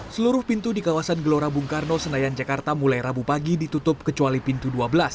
seluruh pintu di kawasan gelora bung karno senayan jakarta mulai rabu pagi ditutup kecuali pintu dua belas